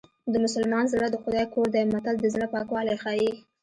د مسلمان زړه د خدای کور دی متل د زړه پاکوالی ښيي